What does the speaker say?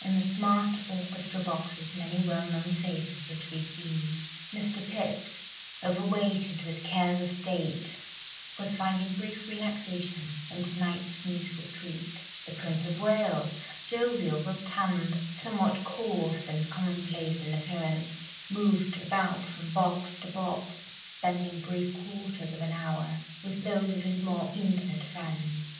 In the smart orchestra boxes many well known faces were to be seen. Mr. Pitt, overweighted with cares of state, was finding brief relaxation in to night's musical treat; the Prince of Wales, jovial, rotund, somewhat coarse and commonplace in appearance, moved about from box to box, spending brief quarters of an hour with those of his more intimate friends.